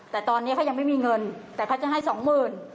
แต่ตอนนี้เขายังไม่มีเงินแต่เขาจะให้สองหมื่น